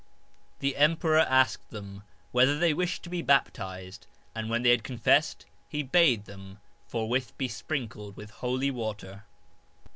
The emperor asked them whether they wished to be baptised, and when they had confessed he bade them forthwith be sprinkled with holy water.